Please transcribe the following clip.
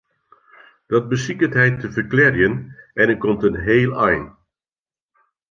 Dat besiket hy te ferklearjen en hy komt in heel ein.